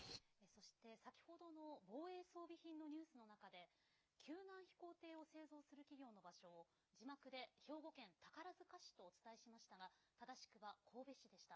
そして、先ほどの防衛装備品のニュースの中で救難飛行艇を製造する企業の場所を字幕で兵庫県宝塚市とお伝えしましたが正しくは神戸市でした。